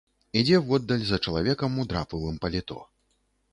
Ідзе воддаль за чалавекам у драпавым паліто.